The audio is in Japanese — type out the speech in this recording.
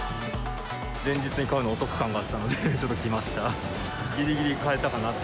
前日に買うの、お得感があったので、ちょっと来ました。